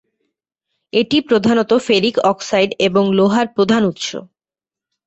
এটি প্রধানতঃ ferric oxide এবং লোহার প্রধান উৎস।